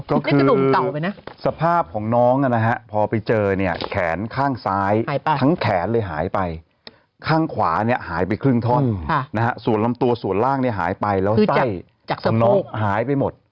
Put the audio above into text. ก็คือสภาพของน้องพอไปเจอแขนข้างซ้ายทั้งแขนเลยหายไปข้างขวาหายไปครึ่งทอดส่วนลำตัวส่วนล่างหายไปแล้วไส้ของน้องหายไปหมด